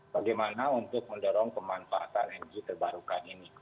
bagaimana untuk mendorong pemanfaatan energi terbarukan ini